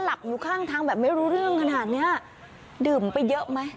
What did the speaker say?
อยู่ข้างทางแบบไม่รู้เรื่องขนาดเนี้ยดื่มไปเยอะไหม